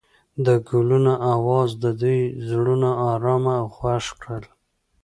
د ګلونه اواز د دوی زړونه ارامه او خوښ کړل.